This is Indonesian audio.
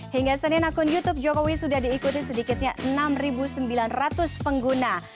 hingga senin akun youtube jokowi sudah diikuti sedikitnya enam sembilan ratus pengguna